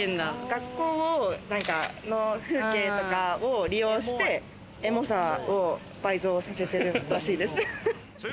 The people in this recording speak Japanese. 学校の風景とかを利用してエモさを倍増させてるらしいです。